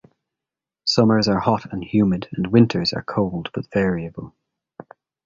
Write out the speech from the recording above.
Summers are hot and humid and winters are cold but variable.